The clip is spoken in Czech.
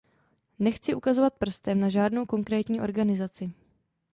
Nechci ukazovat prstem na žádnou konkrétní organizaci.